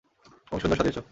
অনেক সুন্দর সাজিয়েছ।